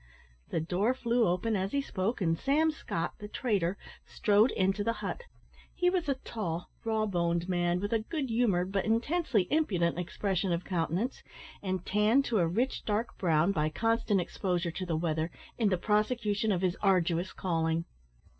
The door flew open as he spoke, and Sam Scott, the trader, strode into the hut. He was a tall, raw boned man, with a good humoured but intensely impudent expression of countenance, and tanned to a rich dark brown by constant exposure to the weather in the prosecution of his arduous calling.